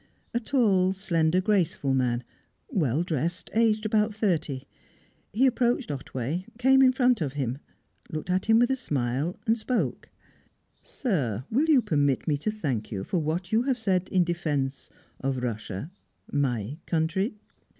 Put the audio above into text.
A tall, slender, graceful man, well dressed, aged about thirty. He approached Otway, came in front of him, looked at him with a smile, and spoke. "Sir, will you permit me to thank you for what you have said in defence of Russia my country?"